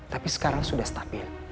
tapi sekarang sudah stabil